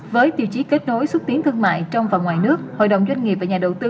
với tiêu chí kết nối xuất tiến thương mại trong và ngoài nước hội đồng doanh nghiệp và nhà đầu tư